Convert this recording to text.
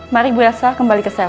mari bu elsa kembali ke sel